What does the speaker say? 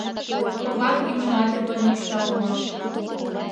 Ковам имньымат эмлен мошта улмаш.